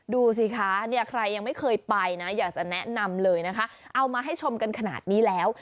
ดูสิคะเนี่ยใครยังไม่เคยไปนะอยากจะแนะนำเลยนะคะเอามาให้ชมกันขนาดนี้แล้ว